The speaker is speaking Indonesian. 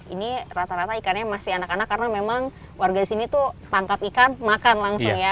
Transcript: ini rata rata ikannya masih anak anak karena memang warga di sini tuh tangkap ikan makan langsung ya